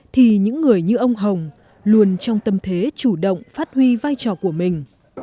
thì những người như ông hồng luôn trong tâm thế chủ động phát huy vai trò của mình